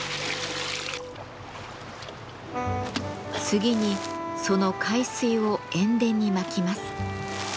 次にその海水を塩田にまきます。